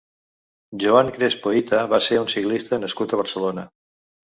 Joan Crespo Hita va ser un ciclista nascut a Barcelona.